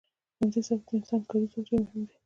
په همدې سبب د انسان کاري ځواک ډیر مهم دی.